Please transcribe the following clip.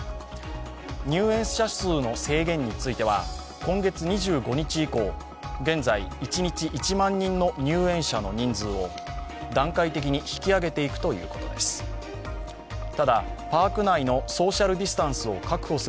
入園者数の制限については今月２５日以降現在、一日１万人の入園者の人数を段階的に引き上げていくということです。